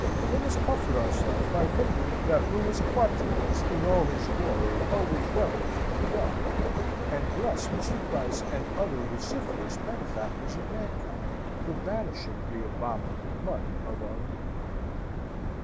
Let us comfort ourselves by thinking that Louis Quatorze in all his glory held his revels in the dark, and bless Mr. Price and other Luciferous benefactors of mankind, for banishing the abominable mutton of our youth.